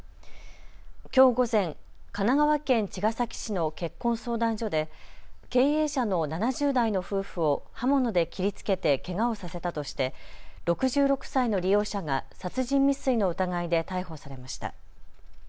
きょう午前、神奈川県茅ヶ崎市の結婚相談所で経営者の７０代の夫婦を刃物で切りつけてけがをさせたとして６６歳の利用者が殺人未遂の疑いで逮捕されました。